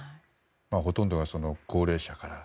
ほとんどが高齢者から。